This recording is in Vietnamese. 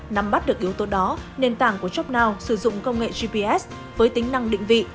nắm bắt được yếu tố đó nền tảng của jobnow sử dụng công nghệ gps với tính năng định vị